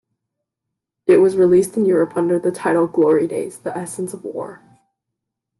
It was released in Europe under the title Glory Days: The Essence of War.